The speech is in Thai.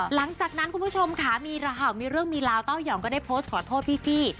หลังจากนั้นคุณผู้ชมค่ะมีเรื่องมีราวเต้ายองก็ได้โพสต์ขอโทษพี่